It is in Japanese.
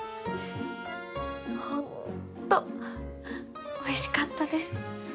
ホンットおいしかったです